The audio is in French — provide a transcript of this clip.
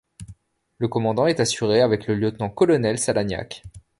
Le commandement est assuré avec le lieutenant-colonel Salagnac.